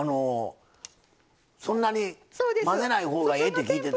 そんなに混ぜないほうがええって聞いて。